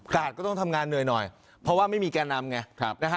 กาหัสก็ต้องทำงานเหนื่อยเพราะว่าไม่มีการนำไง